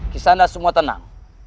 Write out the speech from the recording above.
kesana semua tenang